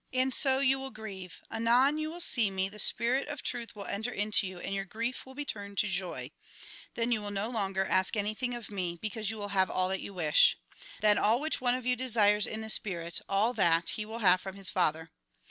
And so you will grieve ; anon you will see me, the spirit of truth will enter into you, and your grief will be turned into joy. Then you will no longer ask anything of me, because you will have all that you wish. Then all which one of you desires in the spirit, all that he will have from his Father.